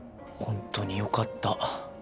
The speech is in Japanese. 本当によかった。